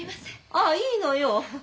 ああいいのよ。